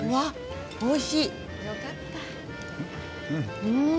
よかった。